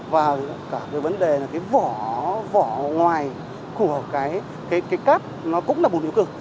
và cả cái vấn đề là cái vỏ vỏ ngoài của cái cát nó cũng là bùn hữu cơ